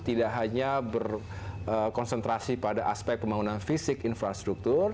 tidak hanya berkonsentrasi pada aspek pembangunan fisik infrastruktur